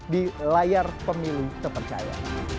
di layar pemilih terpercaya